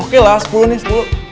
oke lah sepuluh nih sepuluh